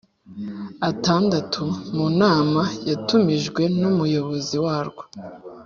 atandatu mu nama yatumijwe n umuyobozi warwo